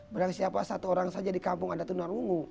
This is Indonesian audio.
berarti siapa satu orang saja di kampung ada tunar ungu